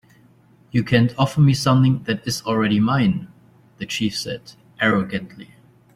"You can't offer me something that is already mine," the chief said, arrogantly.